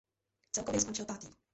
Celkově skončil pátý.